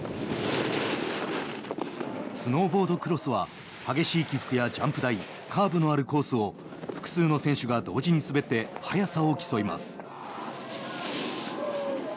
スノーボードクロスは激しい起伏やジャンプ台カーブのあるコースを複数の選手が同時に滑って速さを競います。